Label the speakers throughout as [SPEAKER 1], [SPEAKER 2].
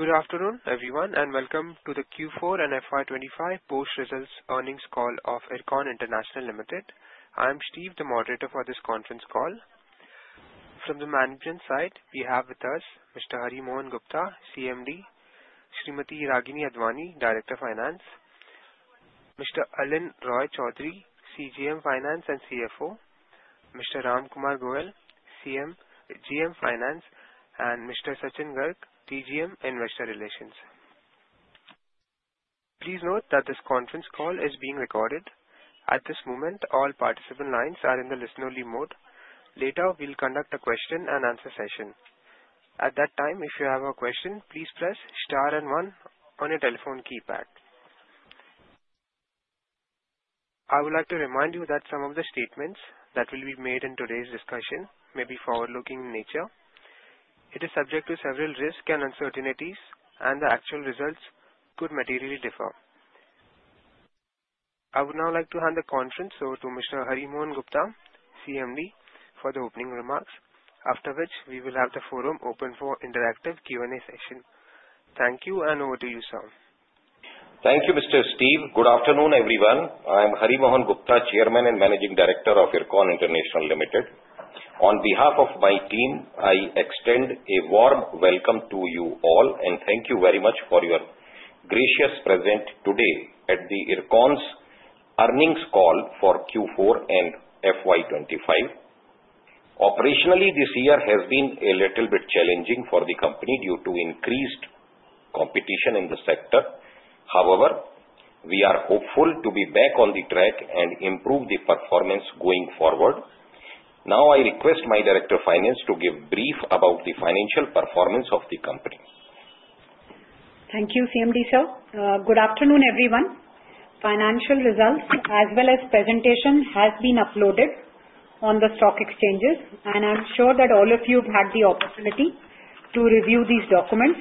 [SPEAKER 1] Good afternoon, everyone, and welcome to the Q4 and FY25 Post-Results Earnings Call of Ircon International Limited. I'm Steve, the moderator for this conference call. From the management side, we have with us Mr. Hari Mohan Gupta, CMD, Smt. Ragini Advani, Director of Finance, Mr. Alan Roy-Chaudhury, CGM Finance and CFO, Mr. Ramkumar Goel, GM Finance, and Mr. Sachin Garg, GM Investor Relations. Please note that this conference call is being recorded. At this moment, all participant lines are in the listen-only mode. Later, we'll conduct a question-and-answer session. At that time, if you have a question, please press star and one on your telephone keypad. I would like to remind you that some of the statements that will be made in today's discussion may be forward-looking in nature. It is subject to several risks and uncertainties, and the actual results could materially differ.I would now like to hand the conference over to Mr. Hari Mohan Gupta, CMD, for the opening remarks, after which we will have the forum open for interactive Q&A session. Thank you, and over to you, sir.
[SPEAKER 2] Thank you, Mr. Steve. Good afternoon, everyone. I'm Hari Mohan Gupta, Chairman and Managing Director of Ircon International Limited. On behalf of my team, I extend a warm welcome to you all, and thank you very much for your gracious presence today at the Ircon's earnings call for Q4 and FY25. Operationally, this year has been a little bit challenging for the company due to increased competition in the sector. However, we are hopeful to be back on the track and improve the performance going forward. Now, I request my Director of Finance to give a brief about the financial performance of the company.
[SPEAKER 3] Thank you, CMD sir. Good afternoon, everyone. Financial results, as well as presentation, have been uploaded on the stock exchanges, and I'm sure that all of you've had the opportunity to review these documents.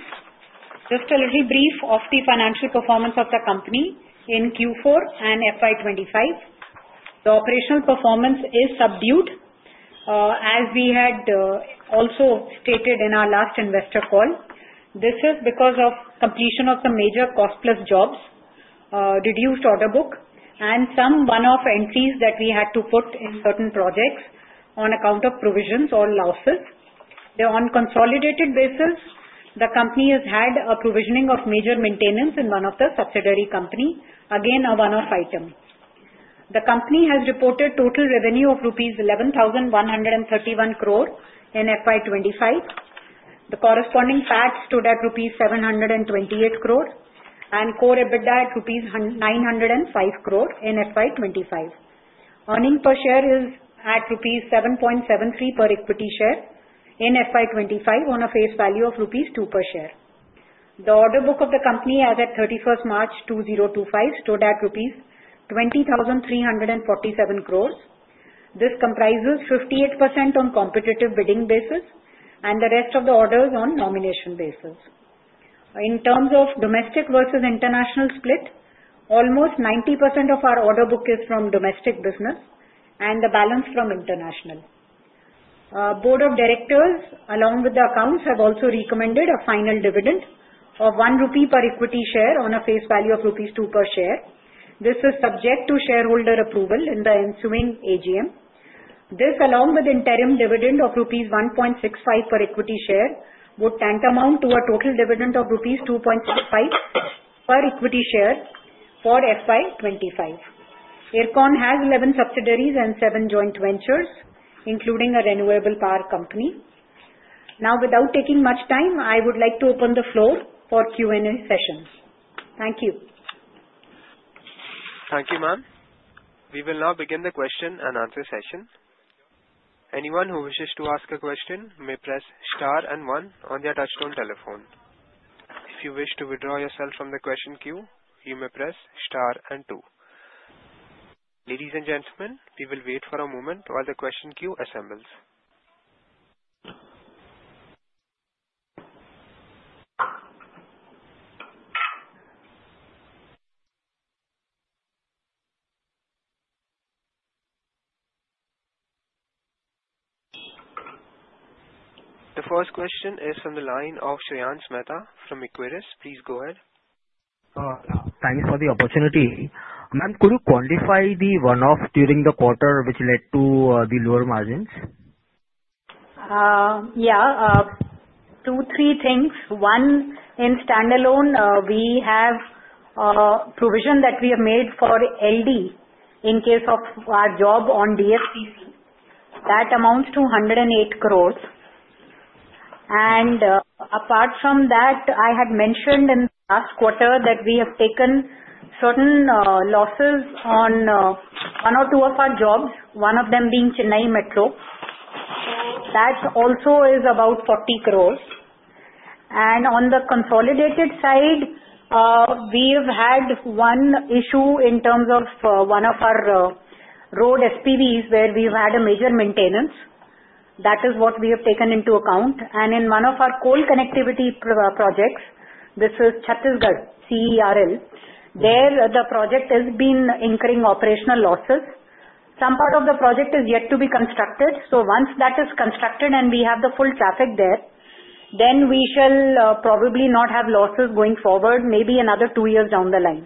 [SPEAKER 3] Just a little brief of the financial performance of the company in Q4 and FY25. The operational performance is subdued, as we had also stated in our last investor call. This is because of completion of some major cost-plus jobs, reduced order book, and some one-off entries that we had to put in certain projects on account of provisions or losses. On a consolidated basis, the company has had a provisioning of major maintenance in one of the subsidiary companies, again, a one-off item. The company has reported total revenue of rupees 11,131 crore in FY25. The corresponding PAT stood at rupees 728 crore and core EBITDA at rupees 905 crore in FY25. Earnings per share is at ₹7.73 per equity share in FY25, on a face value of ₹2 per share. The order book of the company as of 31st March 2025 stood at ₹20,347 crore. This comprises 58% on competitive bidding basis and the rest of the orders on nomination basis. In terms of domestic versus international split, almost 90% of our order book is from domestic business and the balance from international. Board of Directors, along with the accounts, have also recommended a final dividend of ₹1 per equity share on a face value of ₹2 per share. This is subject to shareholder approval in the ensuing AGM. This, along with interim dividend of ₹1.65 per equity share, would tantamount to a total dividend of ₹2.65 per equity share for FY25. Ircon has 11 subsidiaries and seven joint ventures, including a renewable power company. Now, without taking much time, I would like to open the floor for Q&A sessions. Thank you.
[SPEAKER 1] Thank you, ma'am. We will now begin the question and answer session. Anyone who wishes to ask a question may press star and one on their touch-tone telephone. If you wish to withdraw yourself from the question queue, you may press star and two. Ladies and gentlemen, we will wait for a moment while the question queue assembles. The first question is from the line of Shreyans Mehta from Equirus Securities. Please go ahead.
[SPEAKER 4] Thanks for the opportunity. Ma'am, could you qualify the one-off during the quarter which led to the lower margins?
[SPEAKER 3] Yeah, two, three things. One, in standalone, we have a provision that we have made for LD in case of our job on DFCC. That amounts to 108 crore. And apart from that, I had mentioned in the last quarter that we have taken certain losses on one or two of our jobs, one of them being Chennai Metro. That also is about 40 crore. And on the consolidated side, we have had one issue in terms of one of our road SPVs where we've had a major maintenance. That is what we have taken into account. And in one of our coal connectivity projects, this is Chhattisgarh CERL. There, the project has been incurring operational losses. Some part of the project is yet to be constructed. So once that is constructed and we have the full traffic there, then we shall probably not have losses going forward, maybe another two years down the line.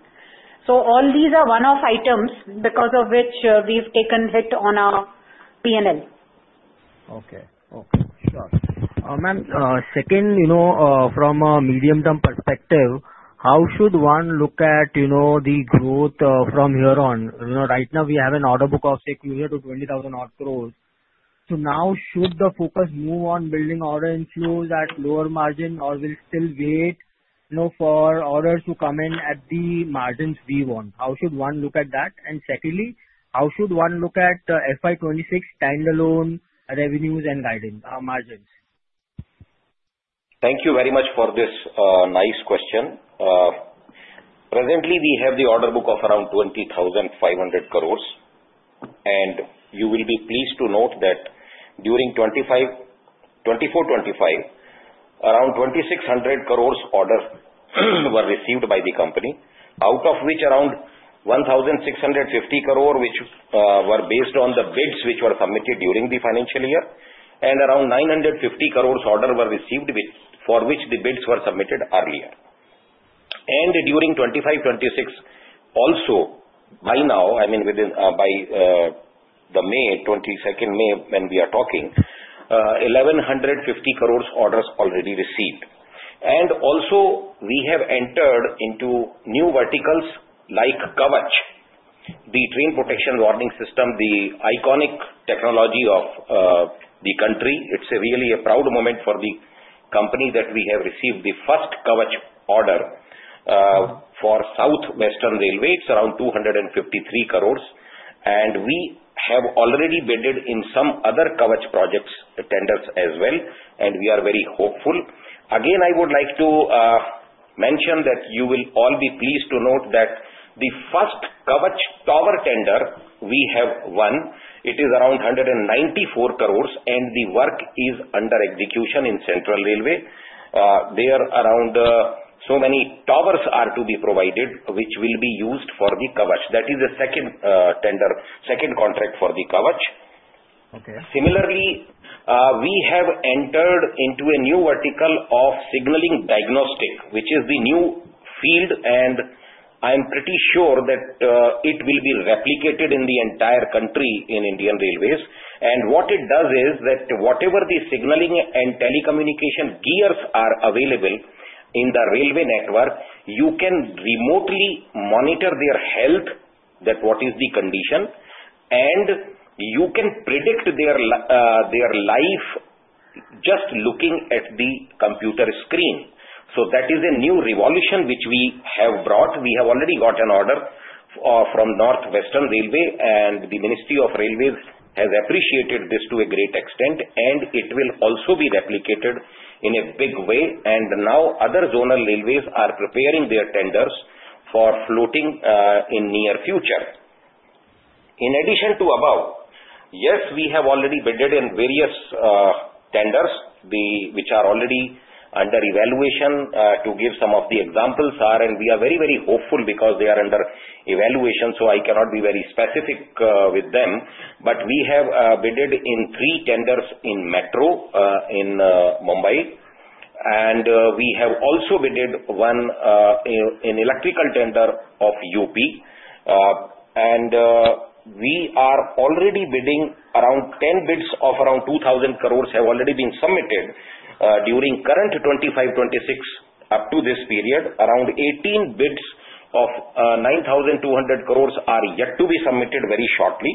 [SPEAKER 3] So all these are one-off items because of which we've taken hit on our P&L.
[SPEAKER 4] Okay. Okay. Got it. Ma'am, second, from a medium-term perspective, how should one look at the growth from here on? Right now, we have an order book of say, 20,000 crore. So now, should the focus move on building order inflows at lower margin, or will it still wait for orders to come in at the margins we want? How should one look at that? And secondly, how should one look at the FY26 standalone revenues and margins?
[SPEAKER 2] Thank you very much for this nice question. Presently, we have the order book of around 20,500 crore, and you will be pleased to note that during 24-25, around 2,600 crore orders were received by the company, out of which around 1,650 crore were based on the bids which were submitted during the financial year, and around 950 crore orders were received for which the bids were submitted earlier, and during 25-26, also, by now, I mean, by the 22nd May, when we are talking, 1,150 crore orders already received, and also, we have entered into new verticals like KAVACH, the train protection warning system, the iconic technology of the country. It's really a proud moment for the company that we have received the first KAVACH order for South Western Railway. It's around 253 crore. We have already bid in some other KAVACH projects tenders as well, and we are very hopeful. Again, I would like to mention that you will all be pleased to note that the first KAVACH tower tender we have won, it is around 194 crore, and the work is under execution in Central Railway. There are around so many towers to be provided, which will be used for the KAVACH. That is the second tender, second contract for the KAVACH. Similarly, we have entered into a new vertical of signaling diagnostic, which is the new field, and I'm pretty sure that it will be replicated in the entire country in Indian Railways. And what it does is that whatever the signaling and telecommunication gears are available in the railway network, you can remotely monitor their health, that what is the condition, and you can predict their life just looking at the computer screen. So that is a new revolution which we have brought. We have already got an order from North Western Railway, and the Ministry of Railways has appreciated this to a great extent, and it will also be replicated in a big way. And now, other zonal railways are preparing their tenders for floating in the near future. In addition to above, yes, we have already bidded in various tenders, which are already under evaluation. To give some of the examples, we are very, very hopeful because they are under evaluation, so I cannot be very specific with them. But we have bidded in three tenders in Metro in Mumbai, and we have also bidded one in electrical tender of UP. And we are already bidding around 10 bids of around 2,000 crore have already been submitted during current 25-26 up to this period. Around 18 bids of 9,200 crore are yet to be submitted very shortly.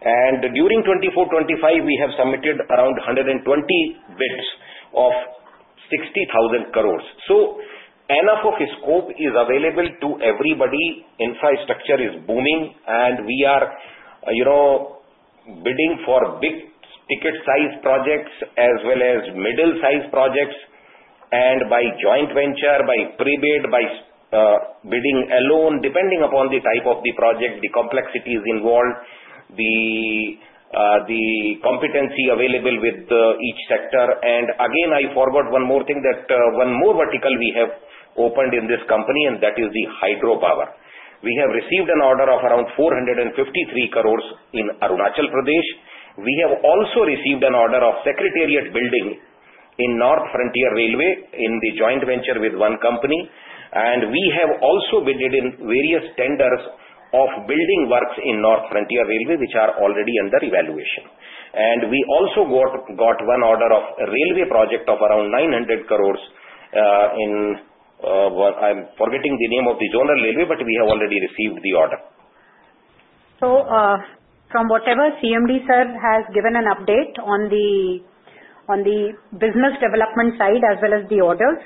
[SPEAKER 2] And during 24-25, we have submitted around 120 bids of 60,000 crore. So enough of scope is available to everybody. Infrastructure is booming, and we are bidding for big ticket size projects as well as middle size projects, and by joint venture, by pre-bid, by bidding alone, depending upon the type of the project, the complexities involved, the competency available with each sector. And again, I forward one more thing that one more vertical we have opened in this company, and that is the hydropower. We have received an order of around 453 crore in Arunachal Pradesh. We have also received an order of secretariat building in North Frontier Railway in the joint venture with one company. And we have also bid in various tenders of building works in North Frontier Railway, which are already under evaluation. And we also got one order of railway project of around 900 crore in I'm forgetting the name of the zonal railway, but we have already received the order.
[SPEAKER 3] From whatever CMD sir has given an update on the business development side as well as the orders,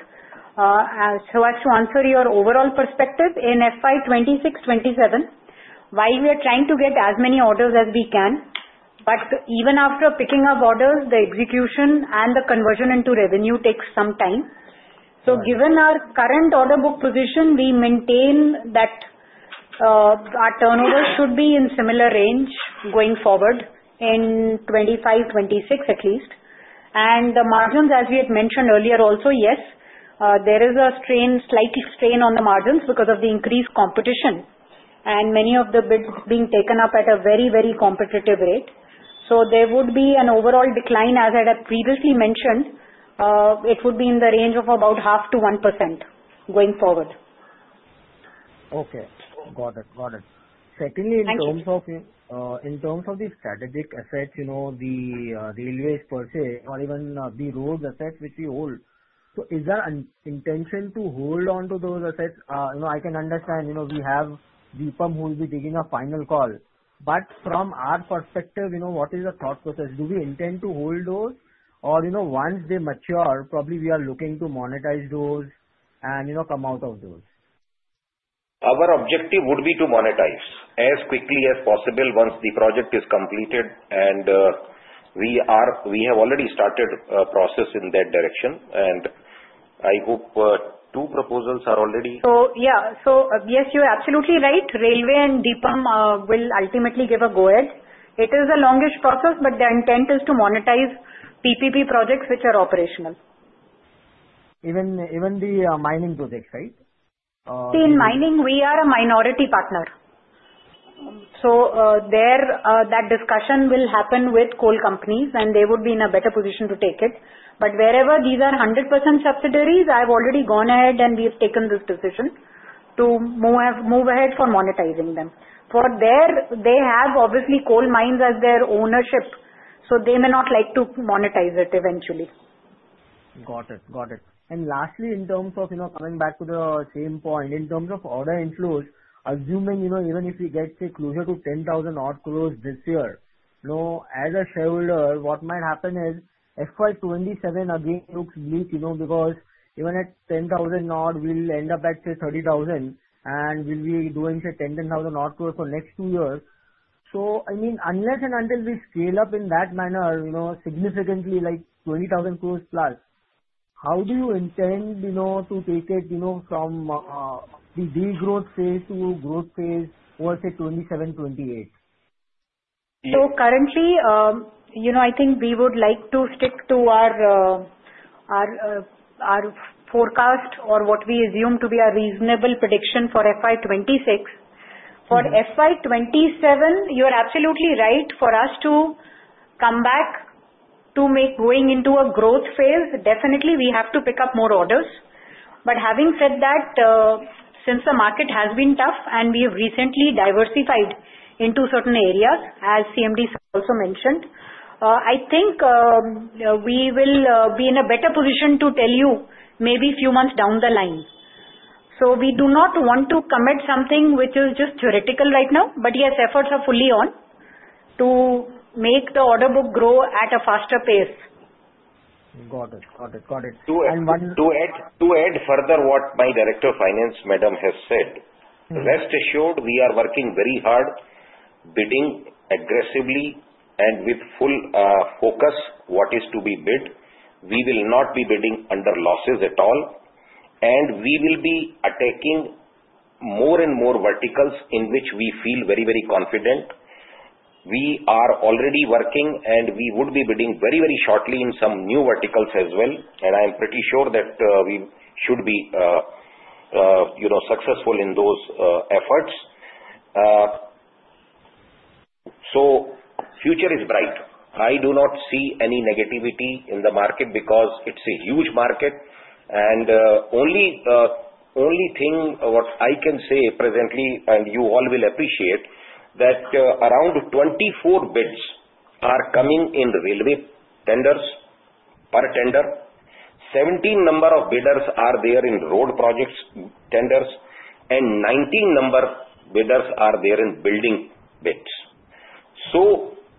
[SPEAKER 3] I just want to answer your overall perspective. In FY26-27, while we are trying to get as many orders as we can, but even after picking up orders, the execution and the conversion into revenue takes some time. Given our current order book position, we maintain that our turnover should be in similar range going forward in 25-26 at least. The margins, as we had mentioned earlier, also, yes, there is a slight strain on the margins because of the increased competition, and many of the bids being taken up at a very, very competitive rate. There would be an overall decline, as I had previously mentioned. It would be in the range of about 0.5%-1% going forward.
[SPEAKER 4] Okay. Got it. Got it. Secondly, in terms of the strategic assets, the railways per se, or even the roads assets which we hold, so is there an intention to hold on to those assets? I can understand we have DIPAM who will be taking a final call. But from our perspective, what is the thought process? Do we intend to hold those, or once they mature, probably we are looking to monetize those and come out of those?
[SPEAKER 2] Our objective would be to monetize as quickly as possible once the project is completed. And we have already started a process in that direction. And I hope two proposals are all ready.
[SPEAKER 3] Yes, you're absolutely right. Railway and DIPAM will ultimately give a go-ahead. It is the longest process, but the intent is to monetize PPP projects which are operational.
[SPEAKER 4] Even the mining projects, right?
[SPEAKER 3] See, in mining, we are a minority partner. So that discussion will happen with coal companies, and they would be in a better position to take it. But wherever these are 100% subsidiaries, I've already gone ahead and we've taken this decision to move ahead for monetizing them. For there, they have obviously coal mines as their ownership, so they may not like to monetize it eventually.
[SPEAKER 4] Got it. Got it. And lastly, in terms of coming back to the same point, in terms of order inflows, assuming even if we get say closer to 10,000 crore this year, as a shareholder, what might happen is FY27 again looks bleak because even at 10,000 crore, we'll end up at say 30,000, and we'll be doing say 10,000 crore for next two years. So I mean, unless and until we scale up in that manner significantly, like 20,000 crore plus, how do you intend to take it from the growth phase to growth phase for say 27-28?
[SPEAKER 3] So currently, I think we would like to stick to our forecast or what we assume to be a reasonable prediction for FY26. For FY27, you are absolutely right for us to come back to going into a growth phase. Definitely, we have to pick up more orders. But having said that, since the market has been tough and we have recently diversified into certain areas, as CMD sir also mentioned, I think we will be in a better position to tell you maybe a few months down the line. So we do not want to commit something which is just theoretical right now. But yes, efforts are fully on to make the order book grow at a faster pace.
[SPEAKER 4] Got it.
[SPEAKER 2] To add further what my Director of Finance, Madam, has said, rest assured we are working very hard, bidding aggressively and with full focus what is to be bid. We will not be bidding under losses at all. And we will be attacking more and more verticals in which we feel very, very confident. We are already working, and we would be bidding very, very shortly in some new verticals as well. And I am pretty sure that we should be successful in those efforts. So the future is bright. I do not see any negativity in the market because it's a huge market. And the only thing what I can say presently, and you all will appreciate, that around 24 bids are coming in railway tenders per tender. 17 number of bidders are there in road projects tenders, and 19 number bidders are there in building bids.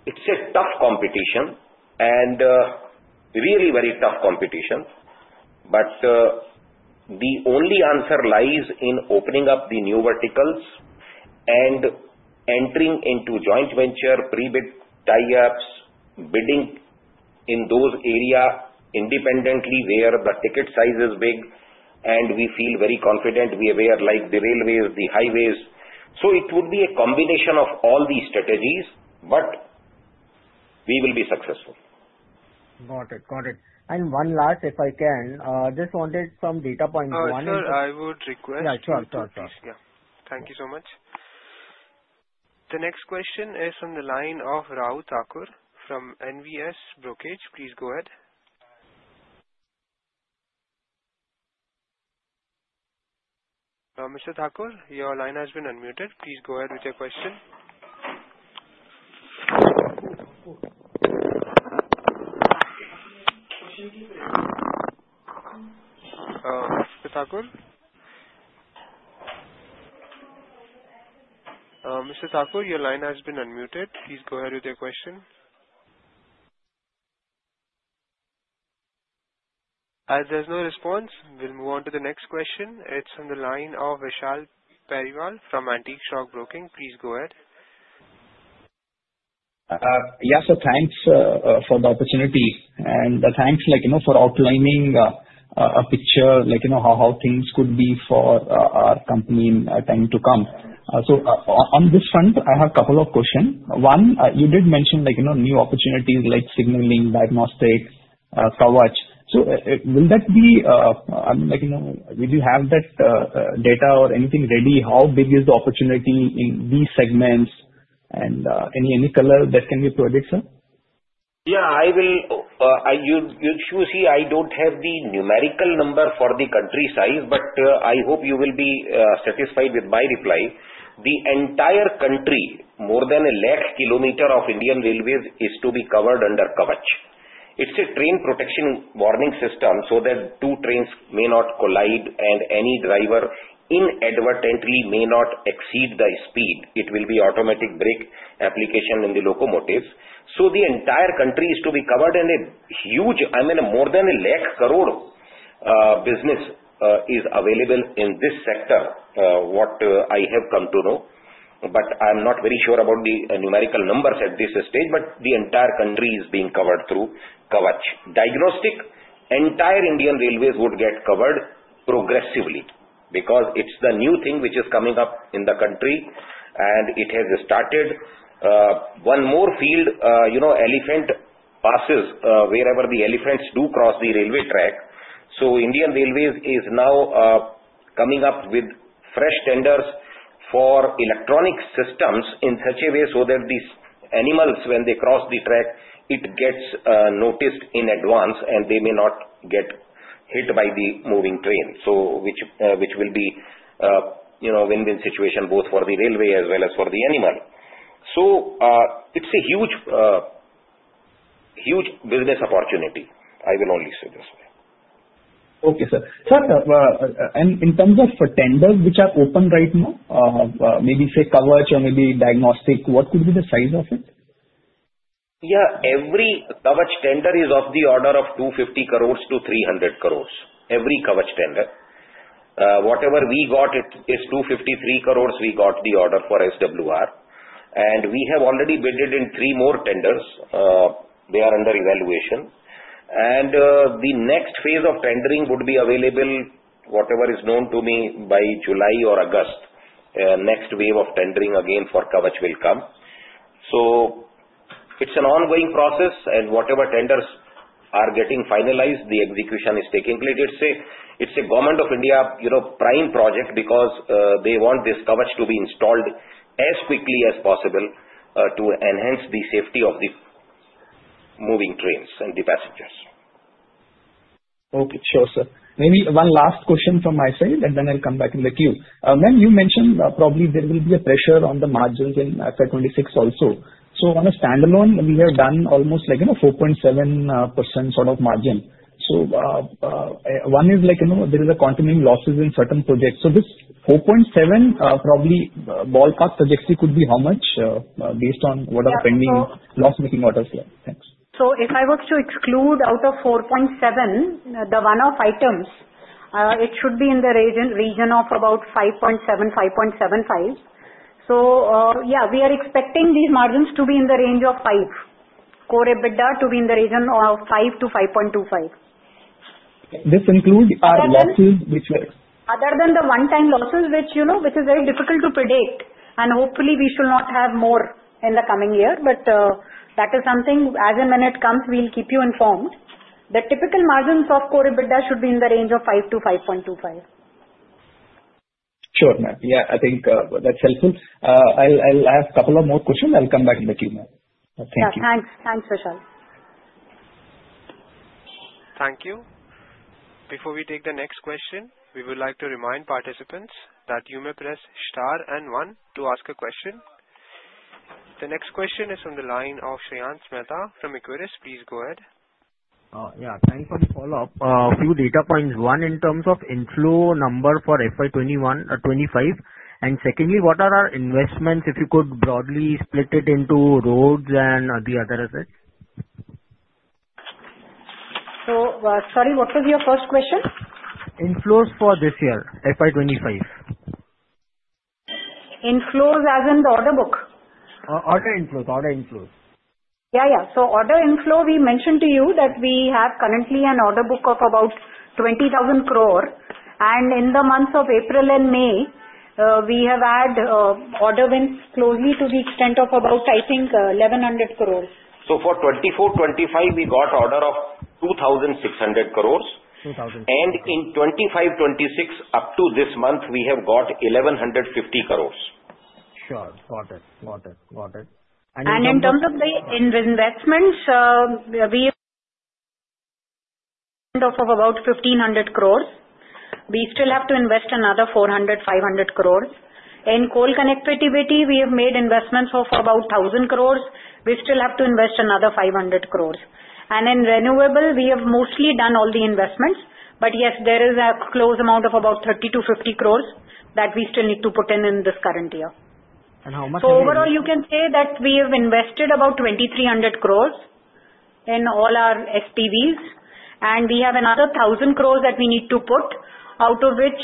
[SPEAKER 2] It's a tough competition and really, very tough competition. But the only answer lies in opening up the new verticals and entering into joint venture, pre-bid, tie-ups, bidding in those areas independently where the ticket size is big. And we feel very confident. We are aware like the railways, the highways. It would be a combination of all these strategies, but we will be successful.
[SPEAKER 4] Got it. Got it. And one last, if I can, just wanted some data points.
[SPEAKER 1] I would request.
[SPEAKER 4] Yeah. Sure. Sure. Sure.
[SPEAKER 1] Thank you so much. The next question is from the line of Rao Thakur from NVS Brokerage. Please go ahead. Mr. Thakur, your line has been unmuted. Please go ahead with your question. Mr. Thakur? Mr. Thakur, your line has been unmuted. Please go ahead with your question. There's no response. We'll move on to the next question. It's from the line of Vishal Periwal from Antique Stock Broking. Please go ahead.
[SPEAKER 5] Yes. So thanks for the opportunity. And thanks for outlining a picture of how things could be for our company in time to come. So on this front, I have a couple of questions. One, you did mention new opportunities like signaling, diagnostics, KAVACH. So will you have that data or anything ready? How big is the opportunity in these segments? And any color that can be projected, sir?
[SPEAKER 2] Yeah. You see, I don't have the numerical number for the country size, but I hope you will be satisfied with my reply. The entire country, more than a lakh kilometer of Indian Railways, is to be covered under KAVACH. It's a train protection warning system so that two trains may not collide, and any driver inadvertently may not exceed the speed. It will be automatic brake application in the locomotives. So the entire country is to be covered, and a huge, I mean, more than a lakh crore business is available in this sector, what I have come to know. But I'm not very sure about the numerical numbers at this stage, but the entire country is being covered through KAVACH. Diagnostic, entire Indian Railways would get covered progressively because it's the new thing which is coming up in the country, and it has started. One more field, elephant passes wherever the elephants do cross the railway track. So Indian Railways is now coming up with fresh tenders for electronic systems in such a way so that these animals, when they cross the track, it gets noticed in advance, and they may not get hit by the moving train, which will be a win-win situation both for the railway as well as for the animal. So it's a huge business opportunity. I will only say this way.
[SPEAKER 5] Okay, sir. Sir, and in terms of tenders which are open right now, maybe say KAVACH or maybe diagnostic, what could be the size of it?
[SPEAKER 2] Yeah. Every KAVACH tender is of the order of 250-300 crore. Every KAVACH tender. Whatever we got, it is 253 crore we got the order for SWR. And we have already bid in three more tenders. They are under evaluation. And the next phase of tendering would be available, whatever is known to me, by July or August. Next wave of tendering again for KAVACH will come. So it's an ongoing process, and whatever tenders are getting finalized, the execution is taking place. It's a Government of India prime project because they want this KAVACH to be installed as quickly as possible to enhance the safety of the moving trains and the passengers.
[SPEAKER 5] Okay. Sure, sir. Maybe one last question from my side, and then I'll come back in the queue. Ma'am, you mentioned probably there will be a pressure on the margins in FY26 also. So on a standalone, we have done almost like a 4.7% sort of margin. So one is like there is a continuing losses in certain projects. So this 4.7% probably ballpark trajectory could be how much based on what are the pending loss-making orders here? Thanks.
[SPEAKER 3] So, if I was to exclude out of 4.7% the one-off items, it should be in the region of about 5.7%-5.75%. So yeah, we are expecting these margins to be in the range of 5%. Core EBITDA to be in the region of 5% to 5.25%.
[SPEAKER 5] This includes losses which were.
[SPEAKER 3] Other than the one-time losses, which is very difficult to predict, and hopefully, we should not have more in the coming year, but that is something, as and when it comes, we'll keep you informed. The typical margins of Core EBITDA should be in the range of 5%-5.25%.
[SPEAKER 5] Sure, ma'am. Yeah. I think that's helpful. I'll ask a couple of more questions. I'll come back in the queue, ma'am. Thank you.
[SPEAKER 3] Yeah. Thanks. Thanks, Vishal.
[SPEAKER 1] Thank you. Before we take the next question, we would like to remind participants that you may press star and one to ask a question. The next question is from the line of Shreyans Mehta from Equirus Securities. Please go ahead.
[SPEAKER 4] Yeah. Thanks for the follow-up. A few data points. One, in terms of inflow number for FY25. And secondly, what are our investments, if you could broadly split it into roads and the other assets?
[SPEAKER 3] So sorry, what was your first question?
[SPEAKER 4] Inflows for this year, FY25.
[SPEAKER 3] Inflows as in the order book?
[SPEAKER 4] Order inflows.
[SPEAKER 3] Yeah. Yeah. So order inflow, we mentioned to you that we have currently an order book of about 20,000 crore. And in the months of April and May, we have had order wins close to the extent of about, I think, 1,100 crore.
[SPEAKER 2] For 24-25, we got order of 2,600 crore. In 25-26, up to this month, we have got 1,150 crore.
[SPEAKER 4] Sure. Got it. Got it. Got it.
[SPEAKER 3] And in terms of the investments, we have about 1,500 crore. We still have to invest another 400, 500 crore. In coal connectivity, we have made investments of about 1,000 crore. We still have to invest another 500 crore. And in renewable, we have mostly done all the investments. But yes, there is a close amount of about 30 to 50 crore that we still need to put in in this current year.
[SPEAKER 4] How much is it?
[SPEAKER 3] So overall, you can say that we have invested about 2,300 crore in all our SPVs. And we have another 1,000 crore that we need to put, out of which,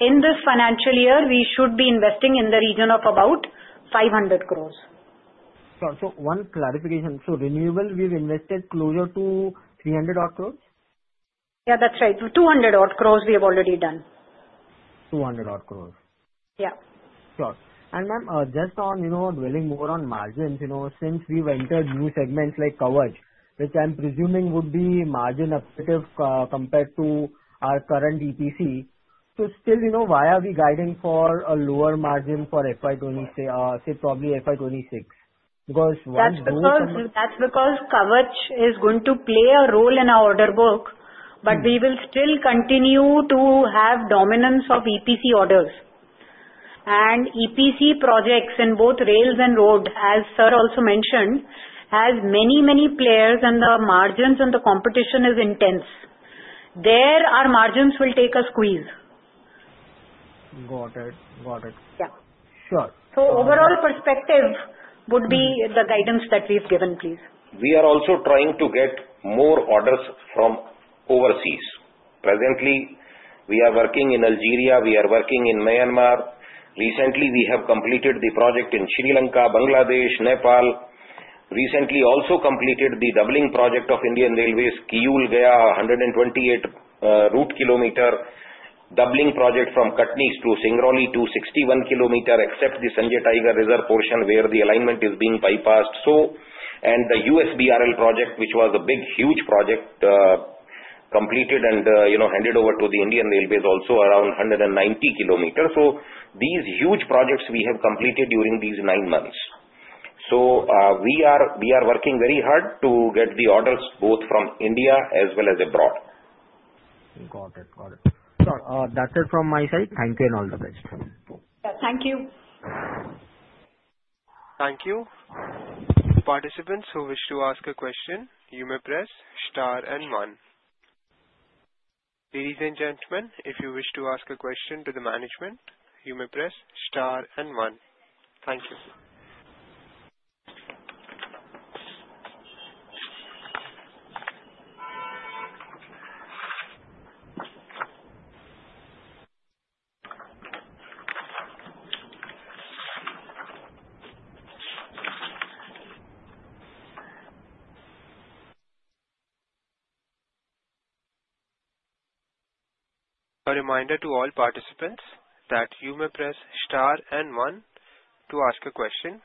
[SPEAKER 3] in this financial year, we should be investing in the region of about 500 crore.
[SPEAKER 4] Sir, so one clarification. So renewable, we've invested closer to 300 crore?
[SPEAKER 3] Yeah, that's right. So 200 crore we have already done.
[SPEAKER 4] 200 crore.
[SPEAKER 3] Yeah.
[SPEAKER 4] Sure. And ma'am, just on delving more on margins, since we've entered new segments like KAVACH, which I'm presuming would be margin-accretive compared to our current EPC, so still, why are we guiding for a lower margin for FY26, say probably FY26? Because one of the.
[SPEAKER 3] That's because KAVACH is going to play a role in our order book, but we will still continue to have dominance of EPC orders, and EPC projects in both rails and road, as sir also mentioned, have many, many players, and the margins and the competition are intense. There, our margins will take a squeeze.
[SPEAKER 4] Got it. Got it.
[SPEAKER 3] Yeah.
[SPEAKER 4] Sure.
[SPEAKER 3] So, overall perspective would be the guidance that we've given, please.
[SPEAKER 2] We are also trying to get more orders from overseas. Presently, we are working in Algeria. We are working in Myanmar. Recently, we have completed the project in Sri Lanka, Bangladesh, Nepal. Recently, also completed the doubling project of Indian Railways, Kiul, Gaya, 128 route kilometer. Doubling project from Katni to Singrauli to 61 kilometer, except the Sanjay Tiger Reserve portion where the alignment is being bypassed, and the USBRL project, which was a big, huge project, completed and handed over to the Indian Railways also around 190 kilometers. So these huge projects we have completed during these nine months, so we are working very hard to get the orders both from India as well as abroad.
[SPEAKER 4] Got it. Got it. Sir, that's it from my side. Thank you and all the best.
[SPEAKER 3] Thank you.
[SPEAKER 1] Thank you. Participants who wish to ask a question, you may press star and one. Ladies and gentlemen, if you wish to ask a question to the management, you may press star and one. Thank you. A reminder to all participants that you may press star and one to ask a question.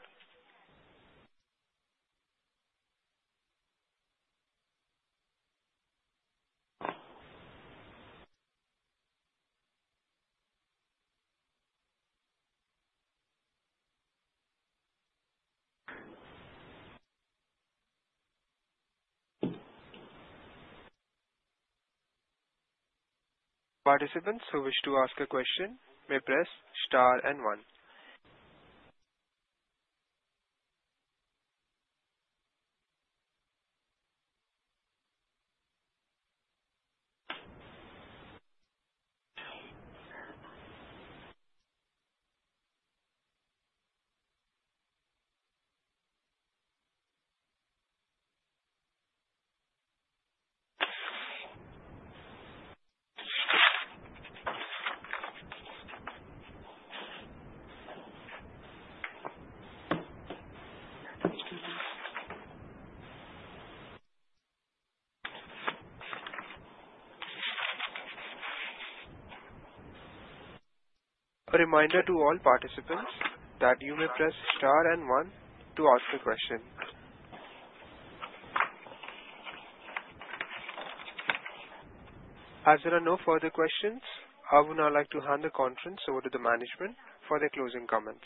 [SPEAKER 1] Participants who wish to ask a question may press star and one. A reminder to all participants that you may press star and one to ask a question. As there are no further questions, I would now like to hand the conference over to the management for their closing comments.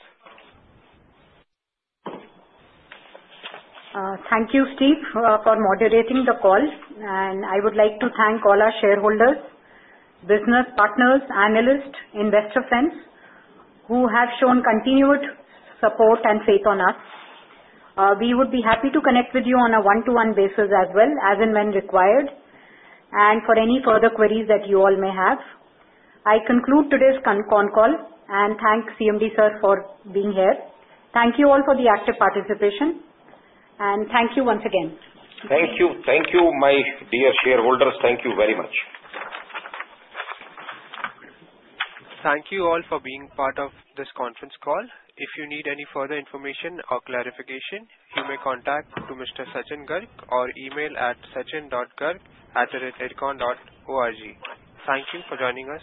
[SPEAKER 3] Thank you, Steve, for moderating the call. I would like to thank all our shareholders, business partners, analysts, investor friends who have shown continued support and faith in us. We would be happy to connect with you on a one-to-one basis as well, as and when required, and for any further queries that you all may have. I conclude today's con call and thank CMD sir for being here. Thank you all for the active participation. Thank you once again.
[SPEAKER 2] Thank you. Thank you, my dear shareholders. Thank you very much.
[SPEAKER 1] Thank you all for being part of this conference call. If you need any further information or clarification, you may contact Mr. Sachin Garg or email at sachin.garg@ircon.org. Thank you for joining us.